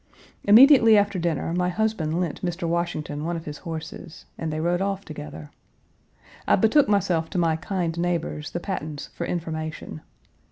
Immediately after dinner my husband lent Mr. Washington one of his horses and they rode off together. I betook myself to my kind neighbors, the Pattons, for information.